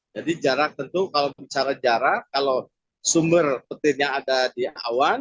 jadi jarak tentu kalau bicara jarak kalau sumber petirnya ada di awan